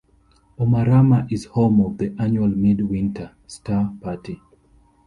Omarama is home of the annual mid winter star party.